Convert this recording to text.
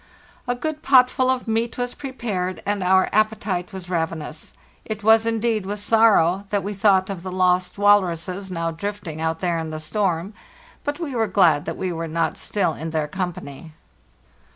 A good potful of meat was prepared, and our appetite was ravenous. It was, indeed, with sorrow that we thought of the lost walruses now drifting IIl.—26 402 FARTHEST NORTH out there in the storm; but we were glad that we were not still in their company.